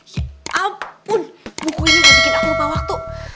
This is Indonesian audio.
ampun buku ini gak bikin aku lupa waktu